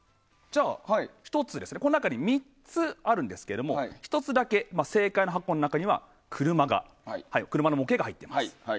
この中に３つあるんですが１つだけ正解の箱の中には車の模型が入っています。